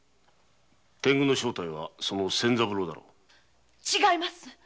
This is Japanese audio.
天狗の正体は仙三郎だろう？違います！